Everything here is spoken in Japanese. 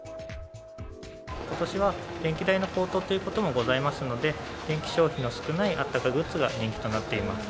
ことしは電気代の高騰ということもございますので、電気消費の少ないあったかグッズが人気となっています。